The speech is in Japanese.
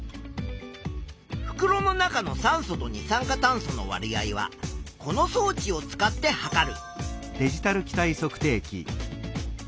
ふくろの中の酸素と二酸化炭素のわり合はこのそう置を使ってはかる。